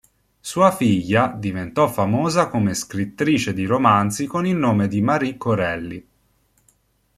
Sua figlia diventò famosa come scrittrice di romanzi con il nome di Marie Corelli.